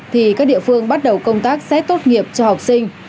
thì các địa phương bắt đầu công tác xét tốt nghiệp cho học sinh